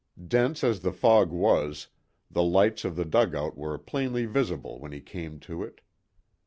Dense as the fog was, the lights of the dugout were plainly visible when he came to it.